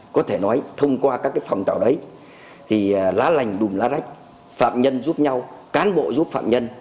có thể nói thông qua các phong trào đấy thì lá lành đùm lá rách phạm nhân giúp nhau cán bộ giúp phạm nhân